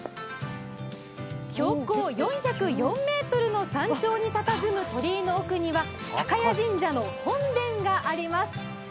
標高４０４ｍの山頂にたたずむ鳥居の奥には高屋神社の本殿があります。